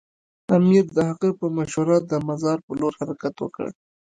امیر د هغه په مشوره د مزار پر لور حرکت وکړ.